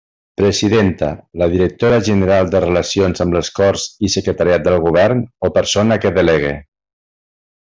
Presidenta: la directora general de Relacions amb les Corts i Secretariat del Govern o persona que delegue.